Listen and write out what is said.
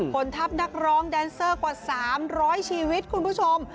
ผลทัพนักร้องแดนเซอร์กว่า๓๐๐ชีวิตคุณผู้ชม